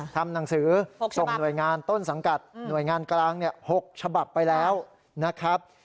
ทำหนังสือส่งหน่วยงานต้นสังกัดหน่วยงานกลาง๖ฉบับไปแล้วนะครับ